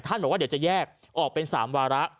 บอกว่าเดี๋ยวจะแยกออกเป็น๓วาระ